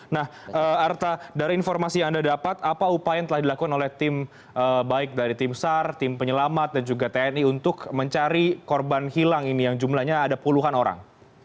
nah arta dari informasi yang anda dapat apa upaya yang telah dilakukan oleh tim baik dari tim sar tim penyelamat dan juga tni untuk mencari korban hilang ini yang jumlahnya ada puluhan orang